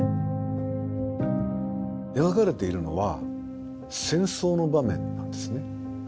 描かれているのは戦争の場面なんですね。